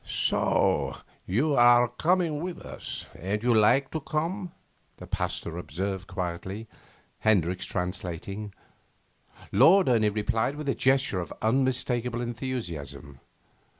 'So you are coming with us, and you like to come?' the Pasteur observed quietly, Hendricks translating. Lord Ernie replied with a gesture of unmistakable enthusiasm.